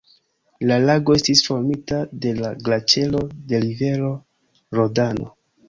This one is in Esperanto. La lago estis formita de la glaĉero de rivero Rodano.